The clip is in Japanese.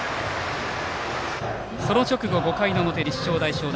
その直後、５回の表立正大淞南。